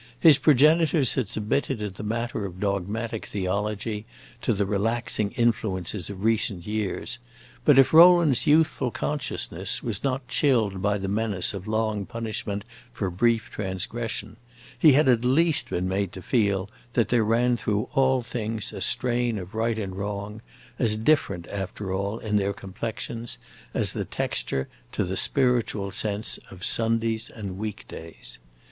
His progenitors had submitted in the matter of dogmatic theology to the relaxing influences of recent years; but if Rowland's youthful consciousness was not chilled by the menace of long punishment for brief transgression, he had at least been made to feel that there ran through all things a strain of right and of wrong, as different, after all, in their complexions, as the texture, to the spiritual sense, of Sundays and week days.